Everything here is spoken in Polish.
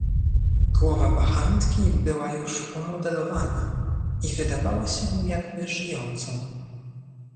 "Głowa bachantki była już umodelowana i wydawała się jakby żyjącą."